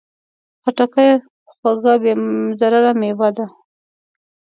خټکی خوږه، بې ضرره مېوه ده.